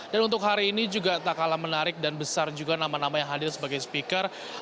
dan untuk hari ini juga tak kalah menarik dan besar juga nama nama yang hadir sebagai speaker